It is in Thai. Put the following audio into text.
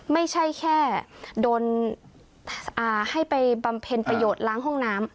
ไม่ใช่แค่โดนให้ไปบำเพ็ญประโยชน์ล้างห้องน้ำ